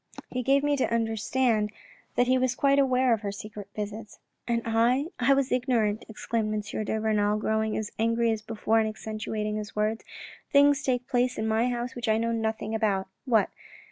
He gave me to understand that he was quite aware of her secret visits." " And I — I was ignorant," exclaimed M. de Renal, growing as angry as before and accentuating his words. " Things take place in my house which I know nothing about. ... What